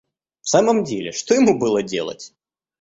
В самом деле, что ему было делать?